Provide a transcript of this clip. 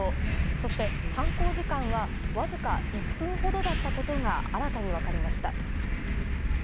そして、犯行時間はわずか１分ほどだったことが新たに分かりました。